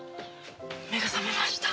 目が覚めました。